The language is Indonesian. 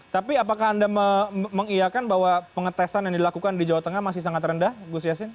tapi apakah anda mengiakan bahwa pengetesan yang dilakukan di jawa tengah masih sangat rendah gus yassin